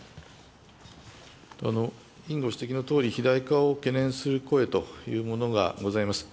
委員ご指摘のとおり、肥大化を懸念する声というものがございます。